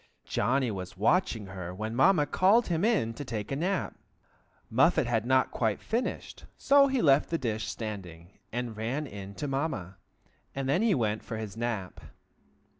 Johnny was watching her when Mamma called him in to take his nap. Muffet had not quite finished, so he left the dish standing, and ran in to Mamma, and then he went for his nap.